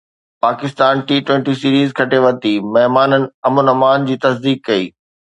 Pakistan T twenty series کٽي ورتي، مهمانن امن امان جي تصديق ڪئي